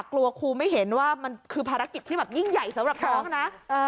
เพราะคุณไม่เห็นว่ามันคือภารกิจที่ยิ่งใหญ่สำหรับคล้องนะ